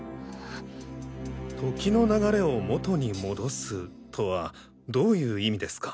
「時の流れを元に戻す」とはどういう意味ですか？